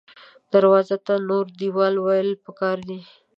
دروازو ته نور دیوال ویل پکار دې